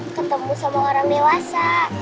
ketemu sama orang mewasa